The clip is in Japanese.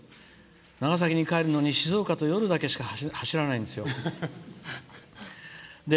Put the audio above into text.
長崎に帰るのに静岡と、夜だけしか走らないんですよ。